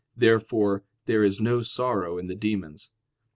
Therefore there is no sorrow in the demons.